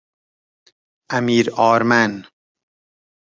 امیرآرمن